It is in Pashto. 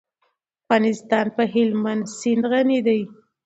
افغانستان په هلمند سیند غني دی.